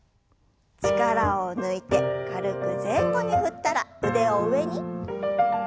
力を抜いて軽く前後に振ったら腕を上に。